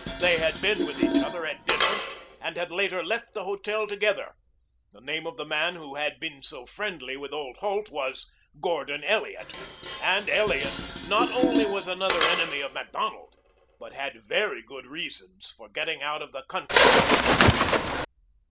They had been with each other at dinner and had later left the hotel together. The name of the man who had been so friendly with old Holt was Gordon Elliot and Elliot not only was another enemy of Macdonald, but had very good reasons for getting out of the country just now.